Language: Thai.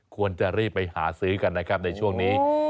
ควรจะรีบไปหาซื้อกันนะครับในช่วงนี้